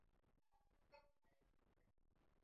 Kusoma vitabu ni vizuri